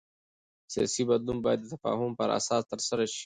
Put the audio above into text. سیاسي بدلون باید د تفاهم پر اساس ترسره شي